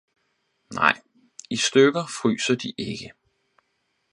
Nej, i stykker fryser de ikke